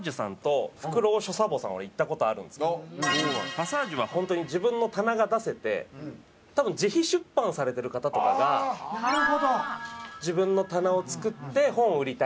ＰＡＳＳＡＧＥは本当に自分の棚が出せて多分自費出版されてる方とかが自分の棚を作って本を売りたいみたいな。